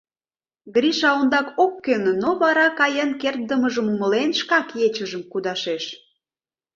Гриша ондак ок кӧнӧ, но вара, каен кертдымыжым умылен, шкак ечыжым кудашеш.